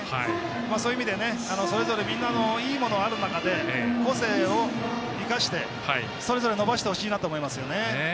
そういう意味でそれぞれみんなのいいものがある中で個性をいかしてそれぞれ伸ばしてほしいなと思います。